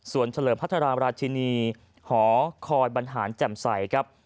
ส่วนเฉลิมพัทรามราชินีหอคอยบรรหารแจ่มใสครับ